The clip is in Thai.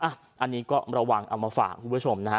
อันนี้ก็ระวังเอามาฝากคุณผู้ชมนะฮะ